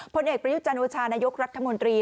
ผลเอกประยุจันโอชานายกรัฐมนตรี